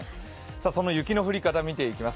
その雪の降り方を見ていきます。